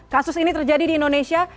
kasus ini terjadi di indonesia